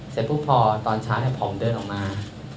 เสร็จปุ๊บพอตอนเช้าผมเดินออกมา